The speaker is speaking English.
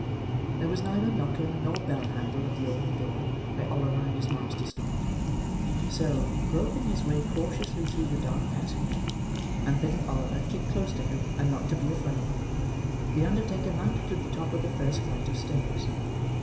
There was neither knocker nor bell handle at the open door where Oliver and his master stopped; so, groping his way cautiously through the dark passage, and bidding Oliver keep close to him and not be afraid the undertaker mounted to the top of the first flight of stairs.